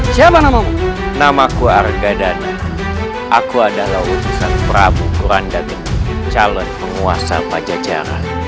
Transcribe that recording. siapa namamu namaku argadana aku adalah urusan prabu kurandabing calon penguasa pajajaran